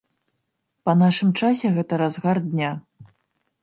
Па нашым часе гэта разгар дня.